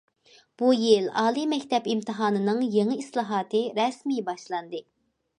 بۇ يىل، ئالىي مەكتەپ ئىمتىھانىنىڭ يېڭى ئىسلاھاتى رەسمىي باشلاندى.